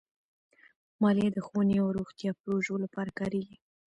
مالیه د ښوونې او روغتیا پروژو لپاره کارېږي.